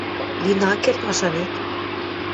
– Лин ак керд, машанет?